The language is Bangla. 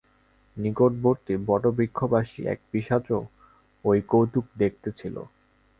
নিকটবর্তী বটবৃক্ষবাসী এক পিশাচও ঐ কৌতুক দেখিতেছিল।